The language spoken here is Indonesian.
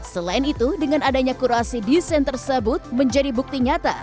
selain itu dengan adanya kurasi desain tersebut menjadi bukti nyata